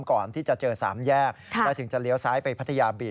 ก่อนที่จะเจอ๓แยกแล้วถึงจะเลี้ยวซ้ายไปพัทยาบี